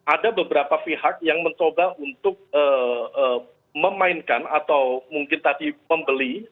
ada beberapa pihak yang mencoba untuk memainkan atau mungkin tadi membeli